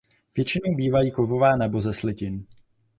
Většinou bývají kovové nebo ze slitin.